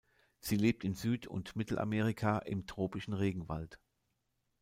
Sie lebt in Süd- und Mittelamerika im tropischen Regenwald.